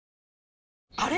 あれ？